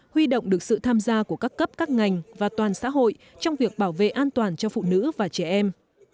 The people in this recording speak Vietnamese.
huy động được sự tham gia của các cấp các ngành và toàn xã hội trong việc bảo vệ an toàn cho phụ nữ và trẻ em